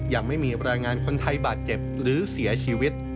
ยังไม่มีรายงานคนไทยบาดเจ็บหรือเสียชีวิต